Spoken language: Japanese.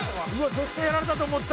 絶対やられたと思った。